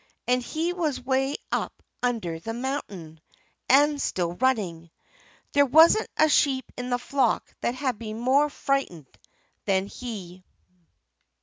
And he was way up under the mountain and still running. There wasn't a sheep in the flock that had been more frightened than he.